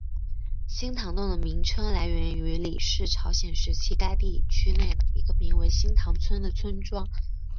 新堂洞的名称来源于李氏朝鲜时期该地区内的一个名为新堂村的村庄。